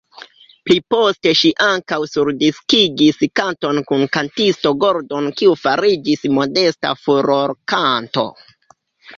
Pliposte ŝi ankaŭ surdiskigis kanton kun kantisto Gordon kiu fariĝis modesta furorkanto.